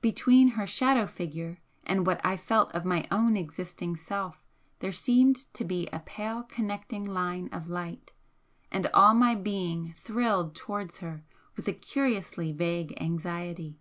Between her Shadow figure and what I felt of my own existing Self there seemed to be a pale connecting line of light, and all my being thrilled towards her with a curiously vague anxiety.